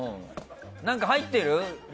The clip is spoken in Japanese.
何か入ってる？